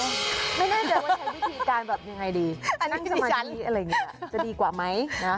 ไม่แน่ใจว่าใช้วิธีการแบบยังไงดีนั่งสมาธิอะไรอย่างนี้จะดีกว่าไหมนะ